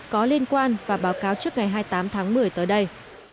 có liên quan và báo cáo trước ngày hai mươi tám tháng một mươi tới đây